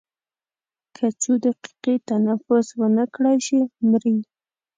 که څو دقیقې تنفس ونه کړای شي مري.